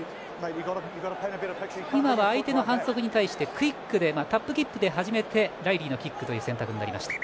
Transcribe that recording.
今のは相手の反則に対してクイックでタップキックで始めてライリーのキックという選択になりました。